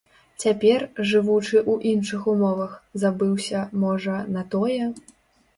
Цяпер, жывучы ў іншых умовах, забыўся, можа, на тое?